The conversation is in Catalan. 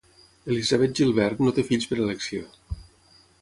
Elizabeth Gilbert no té fills per elecció.